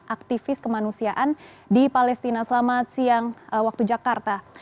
aktivis kemanusiaan di palestina selamat siang waktu jakarta